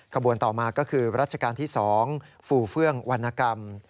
ขบวนต่อมาก็คือรัชกาลที่๒ฟูเฟื่องวรรณกรรม